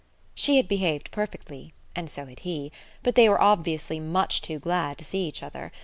She had behaved perfectly and so had he but they were obviously much too glad to see each other.